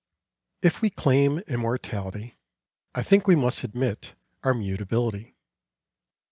If we claim immortality, I think we must admit our mutability.